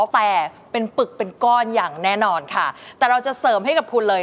แต่เป็นปึกเป็นก้อนอย่างแน่นอนค่ะแต่เราจะเสริมให้กับคุณเลย